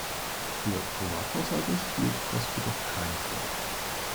Für Privathaushalte spielt das jedoch keine Rolle.